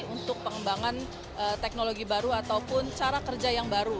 untuk pengembangan teknologi baru ataupun cara kerja yang baru